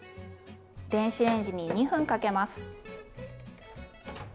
電子レンジに２分かけます。